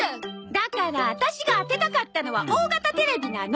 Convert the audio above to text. だからワタシが当てたかったのは大型テレビなの！